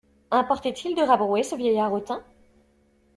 Importait-il de rabrouer ce vieillard hautain?